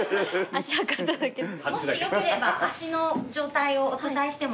もしよければ足の状態をお伝えしてもよろしいですか？